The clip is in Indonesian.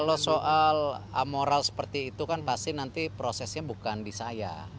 kalau soal moral seperti itu kan pasti nanti prosesnya bukan di saya